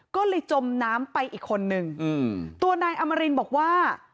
ก็เลยจมน้ำไปอีกคนนึงอืมตัวนายอมรินบอกว่า